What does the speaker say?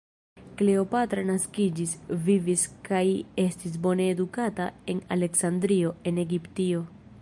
Kleopatra naskiĝis, vivis kaj estis bone edukata en Aleksandrio en Egiptio.